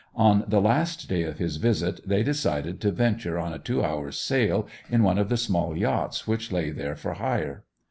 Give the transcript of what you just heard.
On the last day of his visit they decided to venture on a two hours' sail in one of the small yachts which lay there for hire.